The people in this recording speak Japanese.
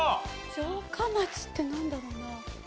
城下町ってなんだろうな？